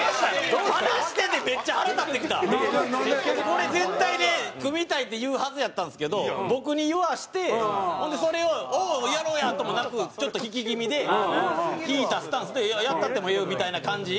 これ絶対ね「組みたい」って言うはずやったんですけど僕に言わせてほんでそれを「おおやろうや」ともなくちょっと引き気味で引いたスタンスで「やったってもええよ」みたいな感じ。